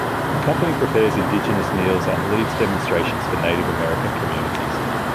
The company prepares Indigenous meals and leads demonstrations for Native American communities.